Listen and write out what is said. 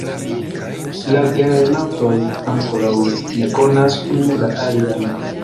La gelernantoj ankoraŭ ne konas unu la alian.